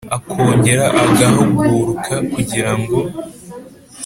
akongera agahuguruka kugira ngo